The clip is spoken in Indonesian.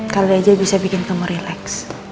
kalau ada aja bisa bikin kamu relax